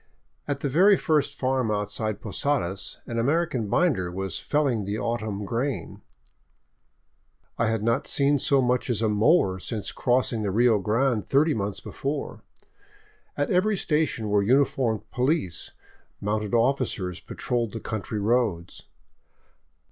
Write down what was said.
At the very first farm outside Posadas an American binder was felling the autumn grain — and I had not seen so much as a mower since crossing the Rio Grande thirty months before. At every station were uniformed police; mounted officers patroled the country roads.